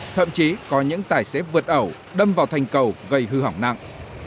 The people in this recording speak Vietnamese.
thậm chí có những tài xế vượt ẩu đâm vào thành cầu gây hư hỏng nặng